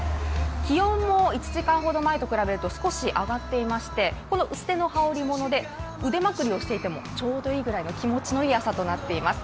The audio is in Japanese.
気温も１時間ほど前と比べると少し上がっていましてこの薄手の羽織り物で腕まくりをしていても、ちょうどいいくらいの気持ちのいい朝となっています。